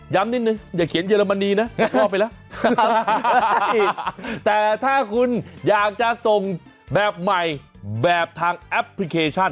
อย่าเขียนเยอรมณีนะฮะแต่ถ้าคุณอยากจะส่งแบบใหม่แบบทางแอปพลิเคชั่น